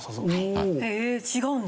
え違うんだ。